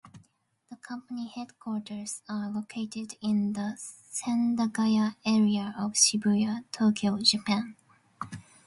The company headquarters are located in the Sendagaya area of Shibuya, Tokyo, Japan.